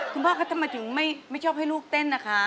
คุณพ่อคะทำไมถึงไม่ชอบให้ลูกเต้นนะคะ